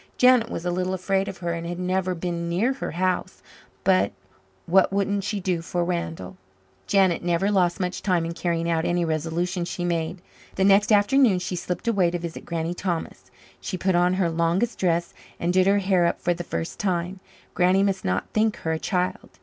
Janet was a little afraid of her, and had never been near her house, but what wouldn't she do for Randall? Janet never lost much time in carrying out any resolution she made. The next afternoon she slipped away to visit Granny Thomas. She put on her longest dress and did her hair up for the first time. Granny must not think her a child.